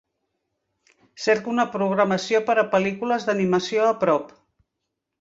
Cerca una programació per a pel·lícules d'animació a prop,